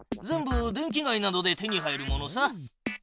全部電気街などで手に入るものさ。